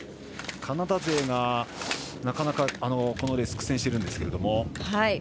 カナダ勢がなかなかこのレース苦戦しているんですけど。